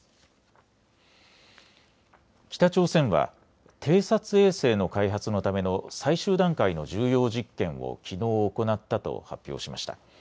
北朝鮮は偵察衛星の開発のための最終段階の重要実験をきのう行ったと発表しました。